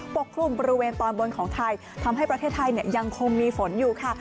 กลุ่มบริเวณตอนบนของไทยทำให้ประเทศไทยยังคงมีฝนอยู่ค่ะ